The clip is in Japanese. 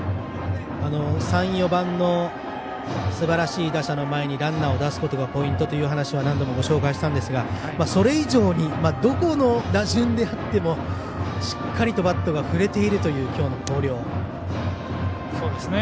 ３、４番のすばらしい打者の前にランナーを出すことがポイントという話は何度もご紹介したんですがそれ以上にどこの打順であってもしっかりとバットが振れているという今日の広陵。